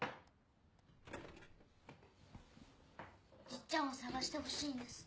じっちゃんを探してほしいんです。